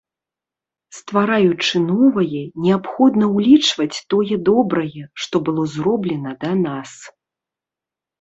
Ствараючы новае, неабходна ўлічваць тое добрае, што было зроблена да нас.